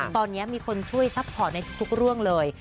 ตอนนี้มีคนช่วยซัพพอร์ตในทุกเรื่องเลย